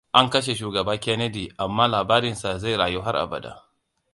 An kashe Shugaba Kennedy, amma labarinsa zai rayu har abada.